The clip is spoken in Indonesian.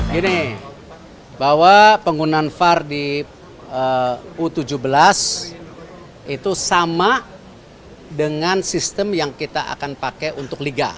gini bahwa penggunaan var di u tujuh belas itu sama dengan sistem yang kita akan pakai untuk liga